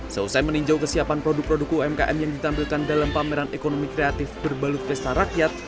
selesai meninjau kesiapan produk produk umkm yang ditampilkan dalam pameran ekonomi kreatif berbalut pesta rakyat